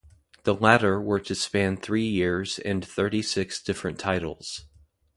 The latter were to span three years and thirty-six different titles.